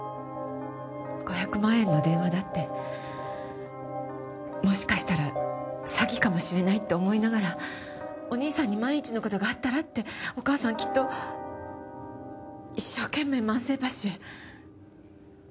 ５００万円の電話だってもしかしたら詐欺かもしれないって思いながらお義兄さんに万一の事があったらってお義母さんきっと一生懸命万世橋へ。